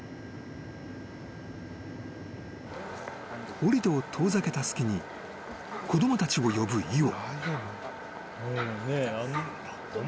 ［オリトを遠ざけた隙に子供たちを呼ぶイオ］